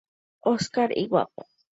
Oscar iguápo.